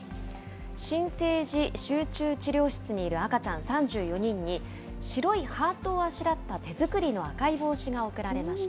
新生児集中治療室にいる赤ちゃん３４人に、白いハートをあしらった手作りの赤い帽子が贈られました。